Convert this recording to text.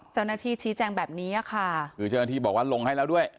เจ้าหน้าที่ชี้แจงแบบนี้ค่ะคือเจ้าหน้าที่บอกว่าลงให้แล้วด้วย